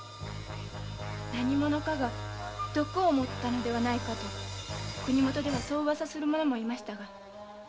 何者かが毒を盛ったのではと国もとではそうウワサする者もいましたが。